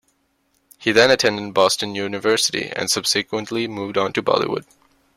He then attended Boston University, and subsequently moved on to Bollywood.